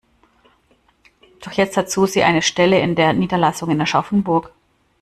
Doch jetzt hat Susi eine Stelle in der Niederlassung in Aschaffenburg.